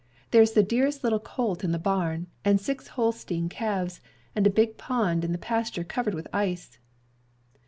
"There's the dearest little colt in the barn, and six Holstein calves, and a big pond in the pasture covered with ice!"